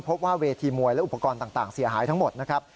พบว่าเวทีมวยและอุปกรณ์ต่างเสียหายทั้งหมดนะครับ